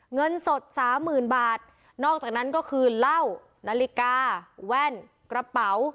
เงินสดสามหมื่นบาทนอกจากนั้นก็คือเหล้านาฬิกาแว่นกระเป๋า